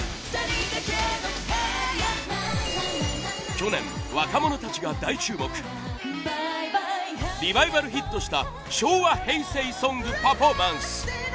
去年若者たちが大注目リバイバルヒットした昭和・平成ソングパフォーマンス。